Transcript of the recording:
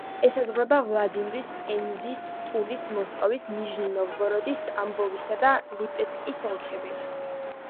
ესაზღვრება ვლადიმირის, პენზის, ტულის, მოსკოვის, ნიჟნი-ნოვგოროდის, ტამბოვისა და ლიპეცკის ოლქები.